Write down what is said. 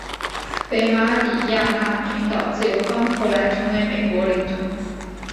北马里亚纳群岛自由邦后来成为美国领土。